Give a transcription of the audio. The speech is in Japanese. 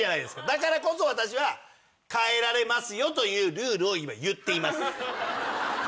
だからこそ私は変えられますよというルールを今言っています。